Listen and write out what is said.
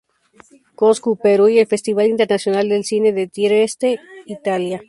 Cuzco, Perú y el Festival Internacional de Cine de Trieste, Italia.